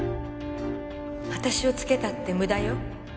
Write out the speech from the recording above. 私をつけたって無駄よ。